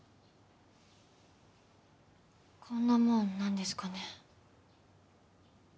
こんなもんなんですかね？